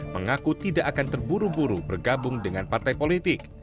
mengaku tidak akan terburu buru bergabung dengan partai politik